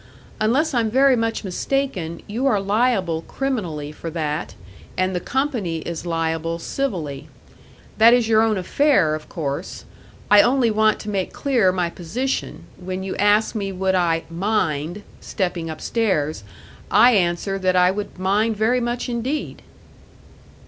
Unless I'm very much mistaken, you are liable criminally for that, and the company is liable civilly. That is your own affair, of course. I only want to make clear my position when you ask me would I mind stepping upstairs, I, answer that I would mind very much indeed."